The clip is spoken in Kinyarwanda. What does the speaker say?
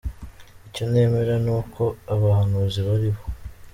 Icyo nemera ni uko abahanuzi bariho